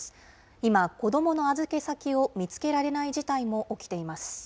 今、子どもの預け先を見つけられない事態も起きています。